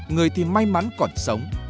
người thì may mắn còn sống